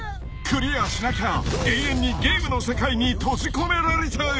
［クリアしなきゃ永遠にゲームの世界に閉じ込められちゃう